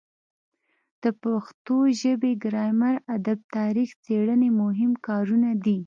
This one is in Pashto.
د پښتو ژبې ګرامر ادب تاریخ څیړنې مهم کارونه دي.